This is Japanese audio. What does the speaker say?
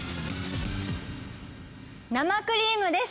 生クリームです。